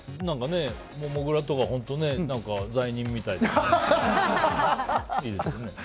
もぐらとか本当罪人みたいでいいですね。